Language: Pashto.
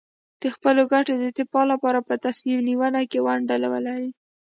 د خپلو ګټو د دفاع لپاره په تصمیم نیونه کې ونډه ولري.